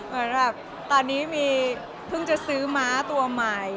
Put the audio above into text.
เหมือนแบบตอนนี้มีเพิ่งจะซื้อม้าตัวใหม่